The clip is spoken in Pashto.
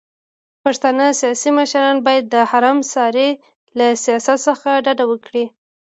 پښتانه سياسي مشران بايد د حرم سرای له سياست څخه ډډه وکړي.